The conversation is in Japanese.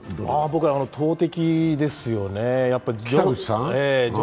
僕は投てきですよね。